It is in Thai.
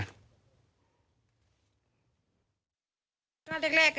หข้อมูลบื